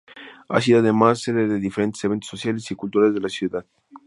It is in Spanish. Ha sido, además, sede de diferentes eventos sociales y culturales de la ciudad.